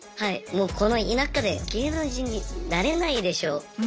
もうこの田舎で芸能人になれないでしょみたいな感じで。